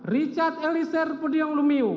rijal elisir pudihang lumio